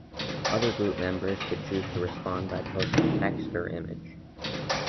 Other group members could choose to respond by posting text or image.